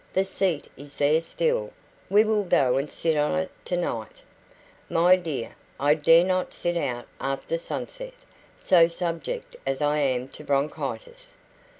The seat is there still we will go and sit on it tonight " "My dear, I dare not sit out after sunset, so subject as I am to bronchitis."